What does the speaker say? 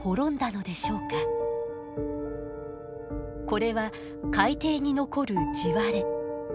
これは海底に残る地割れ。